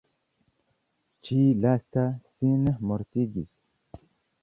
Ĉi lasta sin mortigis.